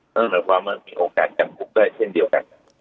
เหมือนมีโอกาสจำกุกได้เช่นเดียวกัน